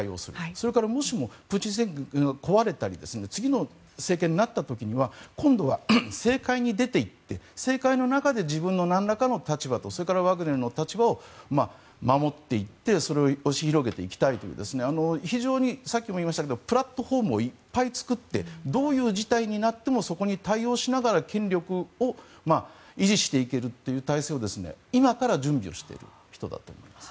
それからもしもプーチン政権が壊れたり次の政権になった時には今度は政界に出ていって政界の中で自分のなんらかの立場とそれからワグネルの立場を守っていってそれを押し広げていきたいという非常にさっきも言いましたがプラットフォームをいっぱい作ってどういう事態になってもそこに対応しながら権力を維持していけるという体制を今から準備している人だと思います。